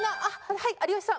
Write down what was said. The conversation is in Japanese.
はい有吉さん。